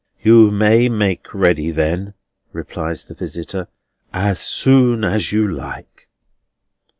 "You may make ready, then," replies the visitor, "as soon as you like."